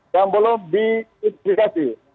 yang belum diidentifikasi